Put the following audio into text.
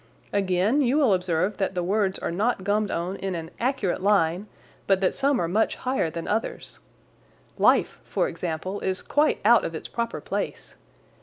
Again, you will observe that the words are not gummed on in an accurate line, but that some are much higher than others. 'Life,' for example is quite out of its proper place.